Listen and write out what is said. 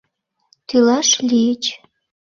Тӱлаш лийыч...